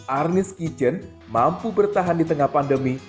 arnis kitchen mampu bertahan di tengah pandemi